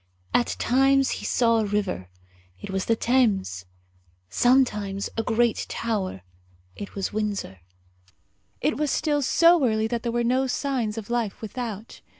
At times he saw a river it was the Thames; sometimes a great tower it was Windsor. It was still so early that there were no signs of life without.